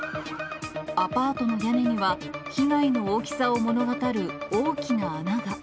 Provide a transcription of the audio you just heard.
アパートの屋根には、被害の大きさを物語る大きな穴が。